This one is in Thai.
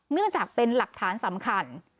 เนื่องจากเป็นหลักฐานสำคัญ